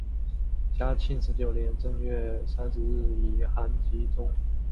嘉靖十九年正月三十日以寒疾终。